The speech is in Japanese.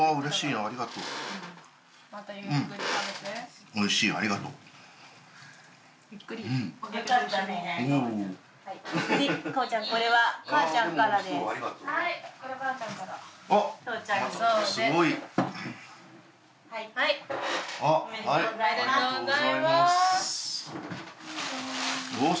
ありがとうございます。